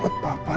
perut papa nak